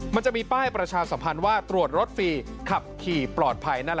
มันจะมีป้ายประชาสัมพันธ์ว่าตรวจรถฟรีขับขี่ปลอดภัยนั่นแหละ